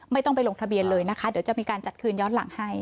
ไม่ต้องไปลงทะเบียนเลยนะคะเดี๋ยวจะมีการจัดคืนย้อนหลังให้